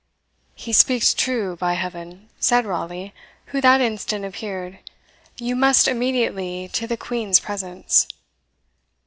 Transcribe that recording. "He speaks true, by Heaven!" said Raleigh, who that instant appeared; "you must immediately to the Queen's presence."